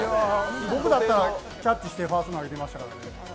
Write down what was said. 僕だったらキャッチしてファースト投げてましたけどね。